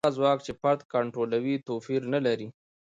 هغه ځواک چې فرد کنټرولوي توپیر نه لري.